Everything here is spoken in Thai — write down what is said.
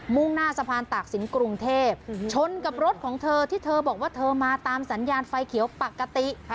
่งหน้าสะพานตากศิลป์กรุงเทพชนกับรถของเธอที่เธอบอกว่าเธอมาตามสัญญาณไฟเขียวปกติ